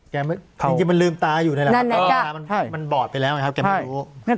จริงจริงมันลืมตาอยู่ในแหละมันบอดไปแล้วไงครับเขาไม่รู้